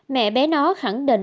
mẹ bé nó khẳng định